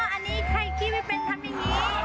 อ๋ออันนี้ใครขี้ไม่เป็นทำอย่างนี้